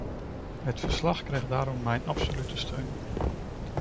Het verslag krijgt daarom mijn absolute steun.